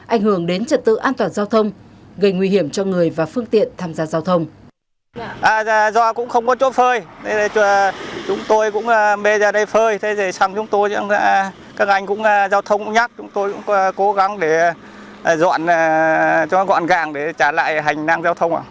ảnh hưởng đến trật tự an toàn giao thông gây nguy hiểm cho người và phương tiện tham gia giao thông